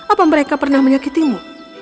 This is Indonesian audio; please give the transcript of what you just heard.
apakah mereka pernah menyakitimu